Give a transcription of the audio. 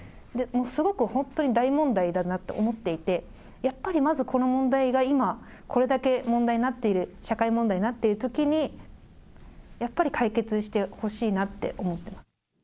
すごく本当に大問題だなと思っていて、やっぱりまずこの問題が今、これだけ問題になっている、社会問題になっているときに、やっぱり解決してほしいなって思ってます。